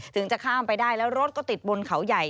ถึงจะข้ามไปได้แล้วรถก็ติดบนเขาใหญ่